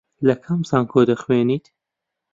لە کام زانکۆ دەخوێنیت؟